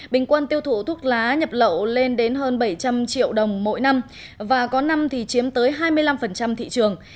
bình quân tiêu thụ thuốc lá nhập lậu lên đến hơn bảy trăm linh triệu đồng mỗi năm và có năm chiếm tới hai mươi năm thị trường